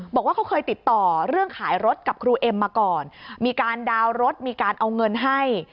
บอกว่าเขาเคยติดต่อเรื่องขายรถกับครูเอ็มมาก่อนมีการดาวน์รถมีการเอาเงินให้